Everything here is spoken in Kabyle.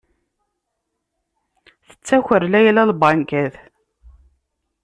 Tettaker Layla lbankat.